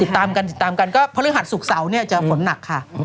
ติดตามกันติดตามกันก็พฤหัสศูกเสาร์จะผลหนักค่ะ